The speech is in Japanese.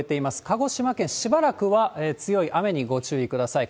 鹿児島県、しばらくは強い雨にご注意ください。